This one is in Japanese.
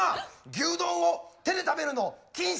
牛丼を手で食べるの禁止！